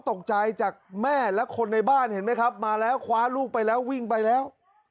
ตกใจจากแม่และคนในบ้านเห็นไหมครับมาแล้วคว้าลูกไปแล้ววิ่งไปแล้ว